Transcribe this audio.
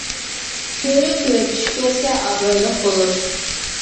كۆۋرۈك كۆرۈپ چۈش كۆرسە ئابرۇيلۇق بولۇر.